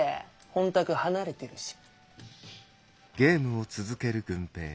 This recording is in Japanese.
本宅離れてるし。